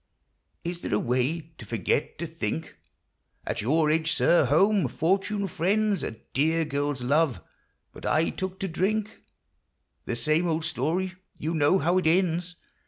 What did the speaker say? Is there a way to forget to think ? At your age, sir, home, fortune, friends, A dear girl's love, — but I took to drink, — The same old story ; you know how it ends.